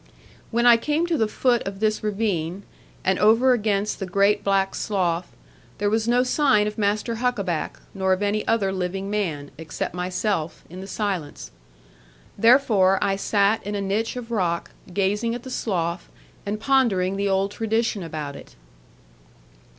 When I came to the foot of this ravine, and over against the great black slough, there was no sign of Master Huckaback, nor of any other living man, except myself, in the silence. Therefore, I sat in a niche of rock, gazing at the slough, and pondering the old tradition about it.